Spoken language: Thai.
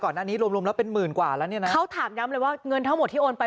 อันนี้รวมรวมแล้วเป็นหมื่นกว่าแล้วเนี่ยนะเขาถามย้ำเลยว่าเงินทั้งหมดที่โอนไป